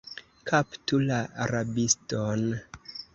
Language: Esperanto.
Kaptu la rabiston!